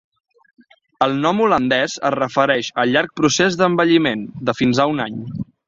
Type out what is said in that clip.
El nom holandès es refereix al llarg procés d'envelliment, de fins a un any.